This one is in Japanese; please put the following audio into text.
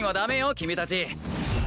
君たち！